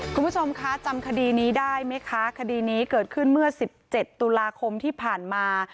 คุณผู้ชมคะจำคดีนี้ได้ไหมคะคดีนี้เกิดขึ้นเมื่อ๑๗ตุลาคมที่ผ่านมา